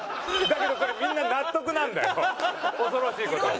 だけどこれみんな納得なんだよ恐ろしい事に。